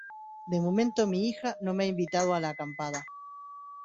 de momento mi hija no me ha invitado a la acampada